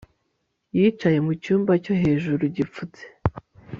yicaye mu cyumba cyo hejuru gifutse